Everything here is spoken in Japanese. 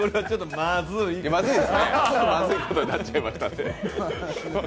まずいことになっちゃいましたね。